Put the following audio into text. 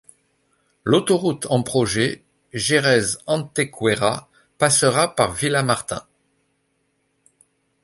L´autoroute en projet Jerez-Antequera passera par Villamartin.